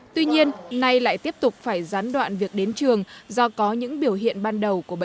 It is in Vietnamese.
tuy nhiên nay lại tiếp tục phải gián đoạn việc đến trường do có những biểu hiện ban đầu